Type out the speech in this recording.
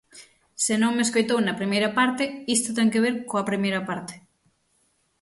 Se non me escoitou na primeira parte, isto ten que ver coa primeira parte.